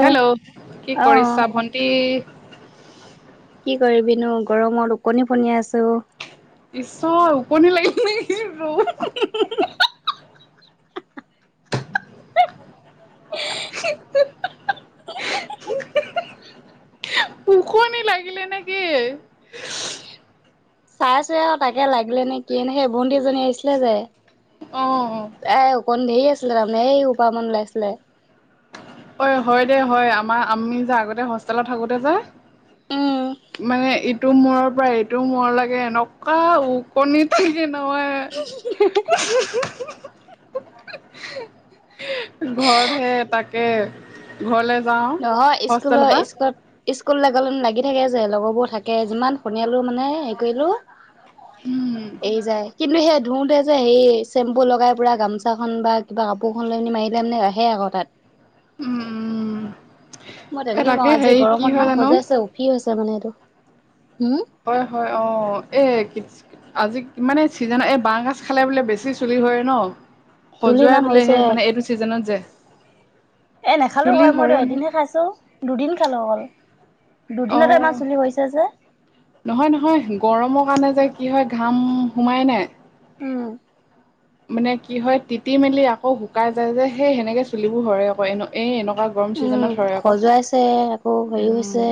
Hello কি কৰিছা ভন্টি? কি কৰিবিনো গৰমত ওকনি ফনিয়াই আছো। ঈশ্বৰ ওকনি লাগিল নিকি ৰ'দ [unintelligible] [unintelligible] [unintelligible] ওকনি লাগিলে নে কি? চাইছোহে আৰু তাকে লাগিলে নে কিয়ে নে সেই ভণ্টিজনী আহিছিলে যে অ অ। তাই ওকনি ধেই আছিলে তাৰমানে এইশোপামান ওলাইছিলে। হয় হয় দে হয় আমাৰ আমি যে আগতে হোষ্টেলত থাকোতে যে উম মানে ইটো মূৰৰ পৰা এইটো মূৰ লেকে এনেকুৱা ও ওকনি থাকে নহয় [unintelligible] ঘৰতহে তাক কে ঘৰলে যাওঁ নহয় ইস্কুলত পৰা ইস্কুল ইস্কুললে গ'লে লাগি থাকে যে লগৰবোৰ থাকে যিমান শুনিলো মানে হেৰি কৰিলো উম, এই যায় কিন্তু সেই ধোওঁতে যে হেৰি চেম্পু লগাই পূৰা গামোচাখন বা কিবা কাপোৰখন লৈ পিনি মাৰিলে মানে আহে আকৌ তাত। উম উম। মই এ তেনেকেই তাকে মাৰো আজি হেৰি কি গৰমত হয় ইমান জানো খজোৱাইছে উফি হৈছে মানে এইটো। হুম? হয় হয় অ এ কি আজি মানে চিজনত এই বাঁহ গাজ খালে বোলে বেছি চুলি শৰে ন। চুলি খজোৱাই ইমান বোলে সেই হৈছে। মানে এইটো চিজনত যে এ নাখালো চুলি হয় মইটো সৰে নহয় এদিনহে খাইছো দুদিন খালো অকল। অ দুদিনতে ইমান চুলি শৰিছে যে? নহয় নহয় গৰমৰ কাৰণে যে কি হয় ঘাম সোমাই নাই উম। মানে কি হয় তিতি মেলি আকৌ শুকাই যায় যে সেই সেনেকে চুলিবোৰ শৰে আকৌ এনে এই এনেকুৱা গৰম ছিজনত উম সৰে আকৌ খজুৱাইছে আকৌ শৰি উম গৈছে।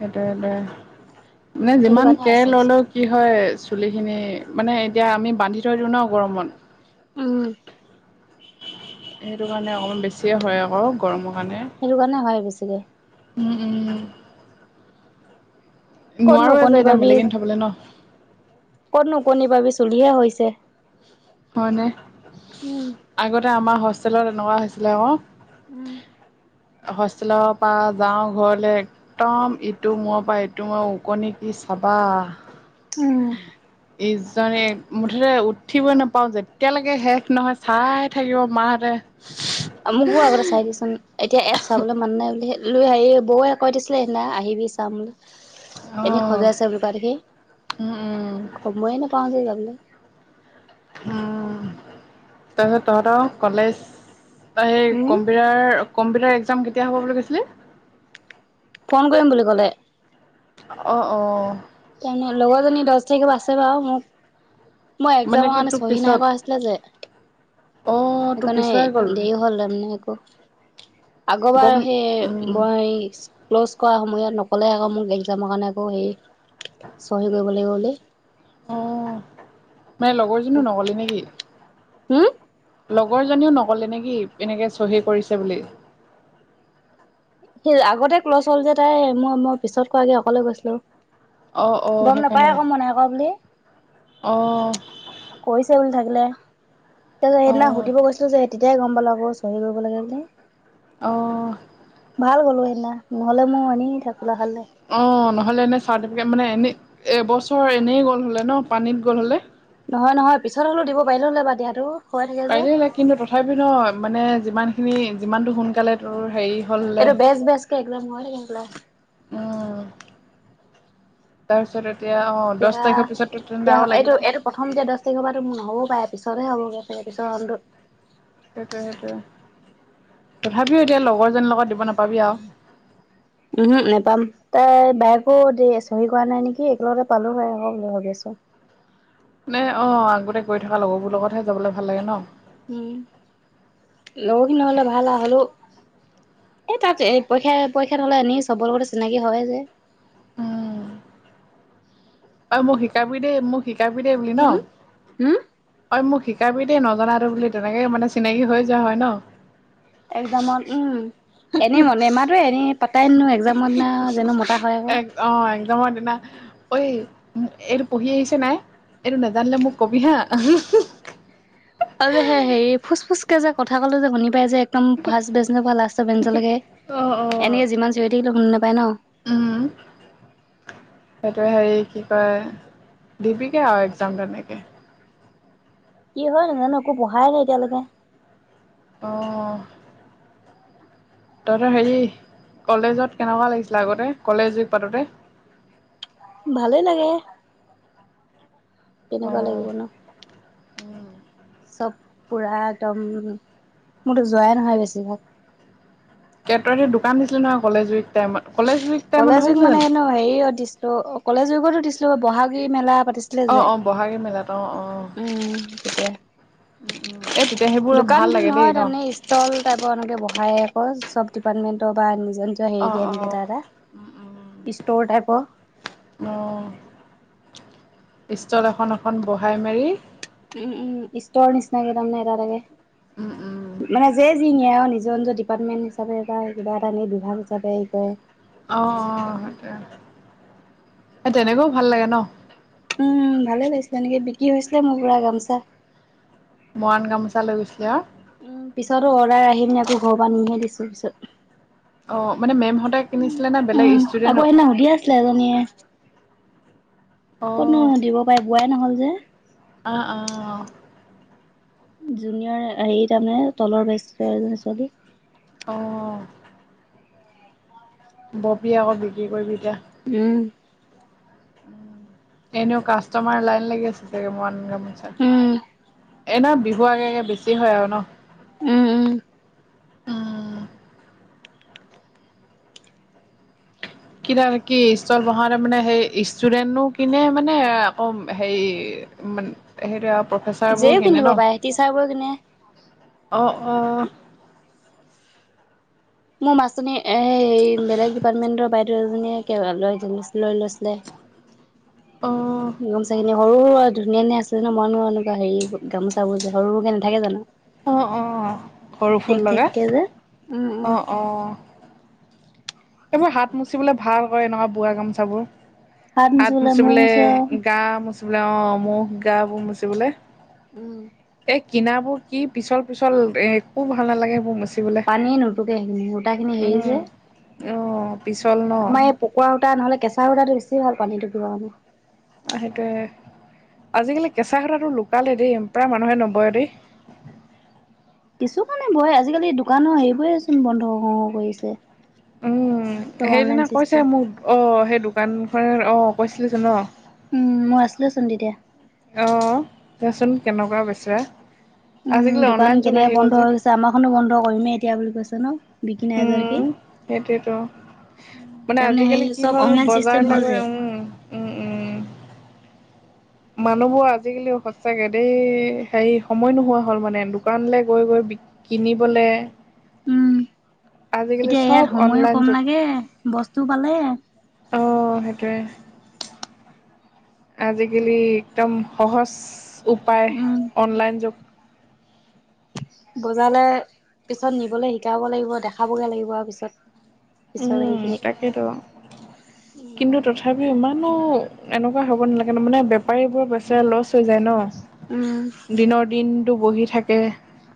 সেইটোৱে সেইটোৱে মানে সেইটো যিমান কাৰণে হৈছে কেয়াৰ ল'লেও কি হয় চুলিখিনি মানে এতিয়া আমি বান্ধি থৈ দিওঁ ন গৰমত উম। সেইটো কাৰণে অকণমান বেছিয়ে শৰে আকৌ গৰমৰ কাৰণে। সেইটো কাৰণে হয় বেছিকে উম উম। ক'তনো নোৱাৰোয়ে ওকণি যে এতিয়া পাবি মেলেগিন থবলে ন। ক'তনো ওকনি পাবি চুলিহে শৰিছে। হয়নে উম আগতে আমাৰ হোষ্টেলত এনেকুৱা হৈছিলে আক। উম। হোষ্টেলৰ পা যাওঁ ঘৰলে একদম ইটো মূৰৰ পৰা ইটো মূৰৰ ওকনি কি চাবা। উম। ইজনে মুঠতে উঠিবই নাপাও যেতিয়ালেকে শেষ নহয় চাই থাকিব মাহঁতে। মোকো আগতে চাই দেচোন এতিয়া ইয়াত চাবলে মানুহ নাই বুলিহে। উম, হেৰি বৌয়ে কৈ দিছিলে সেইদিনা আহিবি চাম এনেই অ' খজাই আছে দেখি উম উম সময়ে নাপাও যে যাবলে। অ', [unintelligible] তহতৰ কলেজ অ', এই উম কম্পিউটাৰ, কম্পিউটাৰ এক্সাম কেতিয়া হ'ব বুলি কৈছিলি? ফোন কৰিম বুলি ক'লে। অ', অ'। [unintelligible] লগৰজনী দচ তাৰিখে আছে বাৰু, মোক মই মানে এক্সামৰ কি কাৰণে তোৰ চহী পিছত নাই কৰা আছিলে যে? অ তোৰ সেইকাৰণে পিছুৱাই গ'ল দেৰি হ'ল তাৰমানে। [unintelligible] গম আগৰবাৰ সেই উম ব ক্ল'জ কৰা সময়ত নক'লে আকৌ মোক এক্সামৰ কাৰণে আকৌ হেৰি চহী কৰিব লাগিব বুলি। অ', মানে লগৰজনীয়ো নকলে নেকি? উম। লগৰজনীও নকলে নেকি এনেকে চহী কৰিছে বুলি? সেই আগতে ক্লছ হ'ল যে তাই, মই-মই পিছত কোৱাগে অকলে গৈছিলো। অঁ অঁ গম নাপায় আকৌ মই নাই কোৱা বুলি। অ'। কৰিছে বুলি থাকিলে, [unintelligible] সেইদিনা অঁ সুধিব গৈছিলো যে তেতিয়াই গম পালো আকৌ চহী কৰিব লাগে বুলি, অঁ ভাল গ'লো সেইদিনা। নহ'লে মই এনেই। [unintelligible] অ', নহ'লে এনেই চাৰ্টিফিকেট মানে এনেই এবছৰ এনেই গ'ল হ'লে নহ, পানীত গ'ল হ'লে। নহয়, নহয়, পিছত হলেও দিব পাৰিল হলে বা দিয়াটো। হৈ থাকে যে পাৰিলে কিন্তু, তথাপি নহ মানে যিমান খিনি যিমানটো সোনকালে তোৰ হেৰি হ'ল হ'লে এইটো বেছ বেছ কে। [unintelligible] উম তাৰপিছত এতিয়া অ, দচ এতিয়া তাৰিখৰ পিছতো এতিয়া [unintelligible] এইটো লাগিব। এইটো প্ৰথম দহ তাৰিখৰ পৰাতো নহ'ব পাৰে, পিছতহে হবগে [unintelligible] পিছটো-' সেইটোৱে, সেইটোৱে তথাপিও এতিয়া লগৰজনীৰ লগত দিব নাপাবি আৰু। উমহ্ক নেপাম। তাই বায়েকো দিয়ে চহী কৰা নাই নেকি, একেলগতে পালো বাইক ভাবি আছ মানে অ', আগতে গৈ থকা লগৰবোৰ লগতহে যাবলৈ ভাল লাগে নহ। উম, লগৰখ [unintelligible] ভাল হ'লেও এই তাত এই পৰীক্ষা, পৰীক্ষা হ'লে এনেইও চবৰ লগতে চিনাকি হৈয়ে যায়। উম। অ', মোক শিকাবি দে, মোক শিকাবি দে বুলি নহ? উম হুম ঐ মোক শিকাবি দেই নজনাটো বুলি, তেনেকে মানে চিনাকি হৈ যোৱা হয় নহ? এক্সামত উম, এনেই মনে নেমাতোৱে এনেই পাতাই নহয় এক্সামত দিনা যেনো পাতা হয় আকৌ। অ', এক্সামৰ দিনা ঐ এইটো পঢ়ি আহিছে নাই, এইটো নাজানিলে মোক কবি হা? অ', যে হেৰি ফুচ ফুচ কে যে, কথা কলে যে শুনি পাই যে একদম ফাৰ্ষ্ট বেঞ্চৰ পৰা লাষ্টৰ বেঞ্চলৈকে, অঁ অঁ এনেয়ে যিমান চিয়ঁৰি থাকিলেও শুনি নাপায় নহ? উম। সেইটোৱে হেৰি, কি কয় দিবিগে আৰু এক্সাম তেনেকে। কি হয় নাজানো, একো পঢ়াই নাই এতিয়ালৈকে। অ'। তহঁতৰ হেৰি কলেজত কেনেকুৱা লাগিছিলে আগতে, কলেজ যুগ পাতোঁতে? ভালেই লাগে, কেনেকুৱা লাগিব অঁ নহ। চব পুৰা একদম, মোৰতো যোৱাই নহয় বেছিভাগ। [unintelligible] দোকান দিছিলি নহয় কলেজ উইক টাইমত, কলেজ উইক টাইমত কলেজ যুগ নহৈছিলে মানে জানো এনো হেৰি দিছিলো কলেজ যুগতো দিছিলো বহাগীৰি মেলা পাতিছি অ', অ', বহাগী মেলাত। অ', অ'। উম্, সেইটোৱে উম উম এই তেতিয়া সেইবোৰ দোকান ভাল বুলি লাগে দেই নহয় ন তাৰমানে। ষ্টল টাইপৰ এনেকে বহাই আকৌ, চব ডিপাৰ্টমেণ্টৰ বা নিজৰ নিজৰ অ হেৰিকে অ এনেকে তাৰ এটা, উম উম ষ্ট'ৰ টাইপৰ। অ', ষ্টল এখন এখন বহাই মেলি। উম্ উম্ ষ্টৰ নিচিনাকে তাৰমানে, এটা উম উম এটাকে মানে যিয়ে যি নিয়ে আৰু নিজে। নিজৰ নিজৰ ডিপাৰ্টমেণ্ট হিচাপে বা কিবা এটা এনেই বিভাগ হিচাপে কৰে যে। অ', অ', সেইটোৱে, এই তেনেকৈও ভাল লাগে ন। উম‌্, ভালে লাগিছিলে এনেকে বিক্ৰী হৈছিলে, মোৰ বিক্ৰী হৈছিল বোৱা গামোচা। মৰাণ গামোচা লৈ গৈছিলো আৰু উম্, পিছতো অৰ্ডাৰ আহি পিনে আকৌ ঘৰৰ পৰা নিহে দিছো পিছত। অ', মানে মেমহঁতে কিনিছিলে নে, বেলেগ ষ্টুডেণ্টে। ছোৱালীজনীয়ে। অ ক'তনো দিব পাৰে, বোৱাই নহ'ল যে। অ', অ', জুনিয়ৰ হেৰি তাৰমানে তলৰ বেষ্টৰ এজনী ছোৱালী। অ', ববি আকৌ, বিক্ৰী কৰিবি এতিয়া। উম্। এনেও কাষ্টমাৰ লাইন লাগি আছে চাগে, মৰান গামোচা। উম, এনেও বিহু আগে আগে বেছি হয় আৰু ন। উম্ উম্। কিবা কি ষ্টল বহা মানে, হেৰি ষ্টুডেন্টো কিনে মানে আকৌ হেৰি, সেইটোৱে অৰু প্ৰফেচাৰবোৰ যেও কিনে কিনিব ন। পাৰে টিচাৰবোৰেও কিনে। অ', অ', মোৰ মাছনি এই বেলেগ ডিপাৰ্টমেণ্টৰ বাইদেউ এজনীয়ে লৈ লৈ লৈছিলে। অ', গামোচা খিনি সৰু আৰু ধুনীয়া ধুনীয়া আছে ন, মইনো এনেকুৱা হেৰি গামোচাবোৰ যে সৰু সৰুকে নাথাকে জানো। অ অ সৰু ফুল ঠেক লগাই ঠেক যে। উম উম অ', অ', এইবোৰ হাত মুচিবলে ভাল হয় নহয়, বোৱা গামোচাবোৰ। হাত মূৰ মুচিবলে, মুচো আৰু। গা মচিবলে অ ম গা বোৰ মুচিবলে উম্, এই কিনাবোৰ কি পিছল পিছল, এ একো ভাল নালাগে মুচি। পানী নুটোকে, সূতাখিনি হেৰি উম যে। অ', পিছল ন। আমাৰ এই পকোৱা সূতা নহ'লে, কেঁচা সূতাটো বেছি ভাল পানী টোকিব কাৰণে। অ', সেইটোৱে আজিকালি কেঁচা সূতাটো লুকালেই দেই, প্ৰায় মানুহে নবয় দেই। কিছুমানে বয়, আজিকালি দোকানৰ হেৰিবোৰে চোন বন্ধ হওঁ হওঁ কৰি আছে। উম্, সেইদিনা কৈছে মোক অ', সেই দোকানখনৰ অ', কৈছিলি যে ন। উম্, মই আছিলোচোন তেতিয়া। অ', দেচোন কেনেকুৱা বেচে, উম, আজিকালি দোকান অনলাইন যুগ কেনেকে আহি বন্ধ গ'ল যে। হৈ গৈছে আমাৰখনো বন্ধ কৰিম, এতিয়া বুলি কৈছে ন। বিকি নাই যোৱা দেখি। উম্, সেইটোৱেইটো। মানে তাৰমানে সেই আজিকালি কি চব হ'ল অনলাইন চিষ্টেম বজাৰলৈ হ'ল গৈ যে। উম্ উম্ উম্। মানুহবোৰ আজিকালি সঁচাকে দেই, হেৰি সময় নোহোৱা হ'ল মানে দোকানলৈ গৈ গৈ বি কিনিবলৈ। উম, এতিয়া ইয়াত সময়ও কম লাগে, বস্তুও পালে। অ', সেইটোৱে। আজিকালি একদম সহজ উপায়, উম। অনলাইন যুগ। বজাৰলৈ পিছত নিবলৈ শিকাব লাগিব, দেখাবগৈ লাগিব আৰু পিছত। পিছৰ উম আহিখিনি তাকেইতো কিন্তু তথাপিও ইমানো এনেকুৱা হ'ব নালাগে মানে বেপাৰীবোৰৰ পইচা লছ হৈ যায় ন। উম। দিনৰ দিনটো বহি থাকে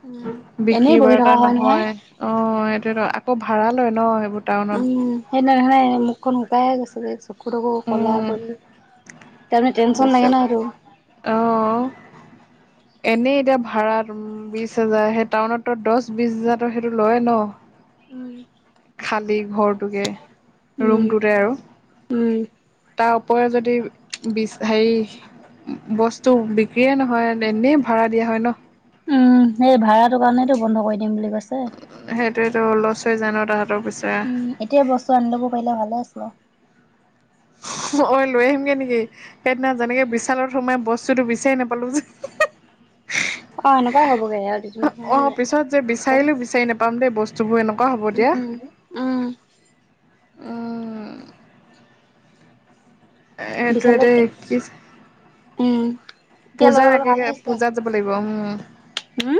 উম, এনেই বিক্ৰী বহি বাৰ্তা থকা হয় নহয়। অ', সেইটোৱেইটো আকৌ ভাড়া লয় ন সেইবোৰ টাউনত উম হেইনাই মুখন শুকাইয়ে গৈছে। চকু ধুকু ক'লা উম কৰি তাৰমানে টেনশচন লাগে না সেইটো অহ। এনেই এতিয়া ভাড়া ৰুম বিশ হাজাৰ সেই টাউনতো দহ বিশ হাজাৰ সেইটো লৈয়ে ন। উম। খালী ঘৰটোকে উম, ৰুমটোতে আৰু উম। তাৰ ওপৰে যদি বিশ হেৰি বস্তু বিক্ৰীয়ে নহয় এনেই ভাড়া দিয়া হয় ন। উম সেই ভাড়াটো কাৰণেইটো বন্ধ কৰি দিম বুলি কৈছে। সেইটোৱেইটো লছ হৈ যায় ন তাহঁতৰ পইচা। উম, এতিয়া বস্তু আনি লব পাৰিলে ভালে আছিলে। ঐ লৈ আহিমগে নেকি সেইদিনা যেনেকে বিশালত সোমাই বস্তুটো বিচাৰি নাপালো যে অ', এনেকুৱা হবগে আৰু দুদিনমানলে অ', যায়। পিছত যে বিচাৰিলো বিচাৰি নোপাম দেই বস্তুবোৰ এনেকুৱা হ'ব দিয়া। উম, উম। উম এইটো দে বিশালত কি উম, এতিয়া লৈ পূজাৰ আগে, আগে পূজাত পাতিব লাগিব উম। হুম।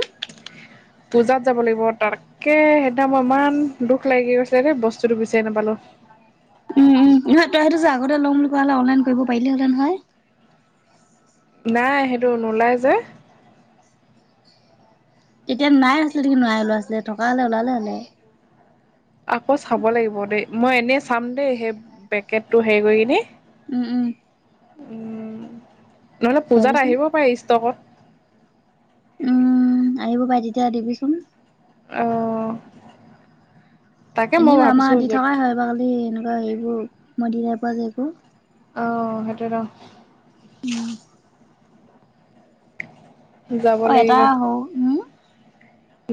পূজাত যাব লাগিব তাৰ একে সেইদিনা মই ইমান দুখ লাগি গৈছিলে দে বস্তুটো বিচাৰি নাপালো। উম, উম নহয় তই সেইটো যে আগতে লম বুলি কোৱা হ'লে অনলাইন কৰিব পাৰিলি হেতেন হয়। নাই সেইটো নোলাই যে। তেতিয়া নাই আজিকালি নাই ওলোৱা আছিলে থকা হ'লে ওলালে হয়। আকৌ চাব লাগিব দেই মই এনেই চাম দেই সেই পেকেটো হেৰি কৰি কিনে উম, উম। উম, নহ'লে পূজাত চাবিচোন। আহিব পাৰে ষ্টকত। উম, আহিব পাই তেতিয়া দিবিচোন। অ'। এনেইবা আমাৰ দি য'ত থকাই হয় বাকি এনেকুৱা হেবোৰ মইদ প য একো। অ', সেইটো। উম। যাব অ', এটা লাগিব আহো উম।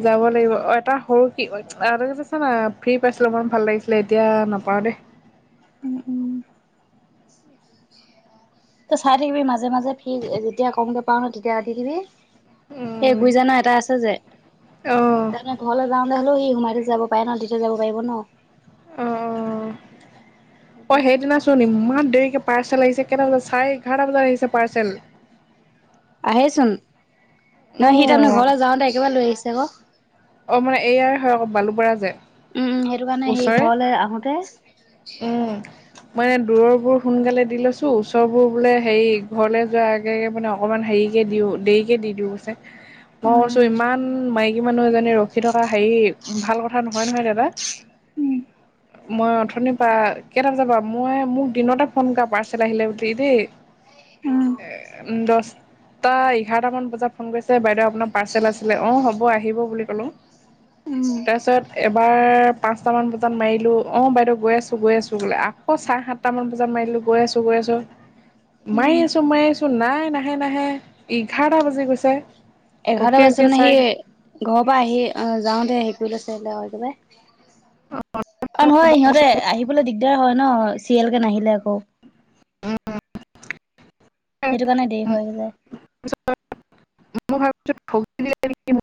যাব লাগিব, অ', এটা সৰু কিছে না ফ্ৰী পাইছিলো মন ভাল লাগিছিলে এতিয়া নাপাওঁ দেই। উম উম ত চাই থাকিবি মাজে মাজে ফ্ৰী যেতিয়া কমকে পাওঁ ন তেতিয়া দি দিবি। সেই উম গুৰিজানা এটা আছে যে, অঁ তাৰমানে ঘৰলৈ যাওঁতে হ'লেও সি সোমাই থৈ যাব। উপায় ন দি থৈ যাব পাৰিব ন। উম, উম, অ', সেইদিনা চোন ইমান দেৰিকে পাৰ্চেল আহিছে কেইটা বজাত চাৰে এঘাৰটা বজাত আহিছে পাৰ্চেল। আহেচোন নহ অঁ সি তাৰমানে ঘৰলৈ যাওঁতে একেবাৰে লৈ আহিছে আকৌ। অ', মানে এইয়াই হয় আকৌ বালু পৰাৰ যে। উম, সেইটো কাৰণে সেই ওচৰে ঘৰলে আহোতে মই দূৰবোৰৰ সোনকালে দি লৈছোঁ ওচৰবোৰ বোলে হেৰি ঘৰলৈ যোৱা এই মানে অকমান হেৰিকে দিও দেৰিকে দি দিও, গৈছে মই কৈছো উম ইমান মাইকী মানুহ জান ৰখি থকা হেৰি ভাল ক ন নহয় দাদা। মই অথনিৰ পৰা কেইটা বজাবৰ মই মোক দিনতে ফোন কৰা পাৰ্চেল আহিলে বুলি দেই। এ উ দহটা এঘাৰটামান বজাত ফোন কৰিছে বাইদেউ আপোনাৰ পাৰ্চেল আছিলে অ' হ'ব আহিব বুলি কলোঁ। তাৰপাছত এবাৰ পাঁচটামান বজাত মাৰিলোঁ অ' বাইদেউ গৈ আছো, গৈ আছোঁ বোলে আ আকৌ চাৰে সাতটামান বজাত মাৰিলো গৈ আছো গৈ আছো। মাৰি আছো মাৰি আছো নাই নাহে নাহে এঘাৰটা বাজি গৈছে। এঘাৰটা ৰখি বাজি ৰখি মানে সি চাই ঘৰৰ পৰা আহি অ' যাওঁতে হেক লৈছে একেবাৰে। অ, নহয় সিহঁতে আহিবলৈ দিগদাৰ হয় ন চিৰিয়েল কে নাহিলে আকৌ। সেইটো কাৰণে দেৰি হৈ যায়। [unintelligible]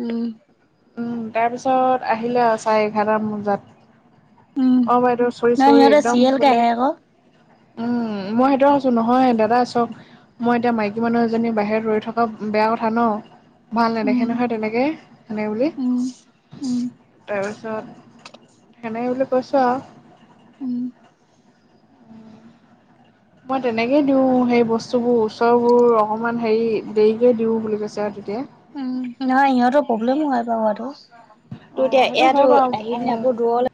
উম। উম, তাৰ পিছত আহিলে আৰু চাৰে এঘাৰটাম বজাত। উম অ' বাইদেউ চৰি নহয় চৰি সিহঁতে একদম চিৰিয়েলকে বোলে। আহে আকৌ। উম, মই সেইটয়ে কৈছোঁ নহয় দাদা চক মই এতিয়া মাইকী মানুহ এজনী বাহিৰত ৰৈ থকা বেয়া কথা ন'। ভাল নেদেখে উম, নহয় তেনেকে এনে বুলি। উম। উম, তাৰপিছত সেনে বুলি কৈছোঁ আৰু। উম। মই তেনেকেই দিওঁ সেই বস্তুবোৰ ওচৰবোৰ অকণমান হেৰি দেৰিকৈ দিওঁ বুলি কৈছে আৰু তেতিয়া। উম, নহয় সিহঁতো প্ৰব্লেমো হয় প হোৱাটো, টোৰ এতিয়া অ', সেইটো হয় ইয়াতো বাৰু আহি পিনে অ'। আকৌ দূৰলে